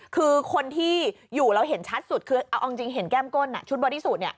คือคนที่อยู่เราเห็นชัดสุดคือเอาจริงเห็นแก้มก้นชุดบอดี้สูตร